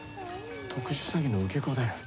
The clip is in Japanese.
特殊詐欺の受け子だよ。